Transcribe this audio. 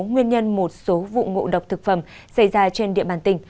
nguyên nhân một số vụ ngộ độc thực phẩm xảy ra trên địa bàn tỉnh